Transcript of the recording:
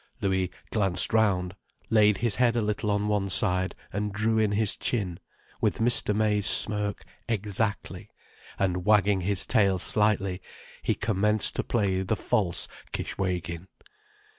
Louis glanced round, laid his head a little on one side and drew in his chin, with Mr. May's smirk exactly, and wagging his tail slightly, he commenced to play the false Kishwégin.